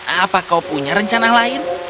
apa kau punya rencana lain